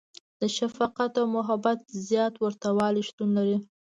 • د شفقت او محبت زیات ورتهوالی شتون لري.